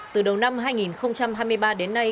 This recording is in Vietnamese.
từ đầu năm hai nghìn hai mươi ba đến nay